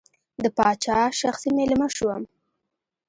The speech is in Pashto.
د پاچا شخصي مېلمه شوم.